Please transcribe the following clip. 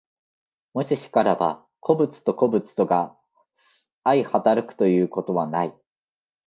もし然らば、個物と個物とが相働くということはない。